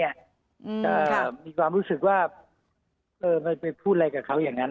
แต่มีความรู้สึกว่าไปพูดอะไรกับเขาอย่างนั้น